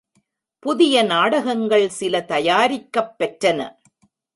புதிய நாடகங்கள் சில தயாரிக்கப் பெற்றன.